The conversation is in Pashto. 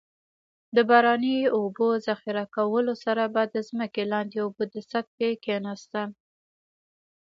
د باراني اوبو ذخیره کولو سره به د ځمکې لاندې اوبو د سطحې کیناستل.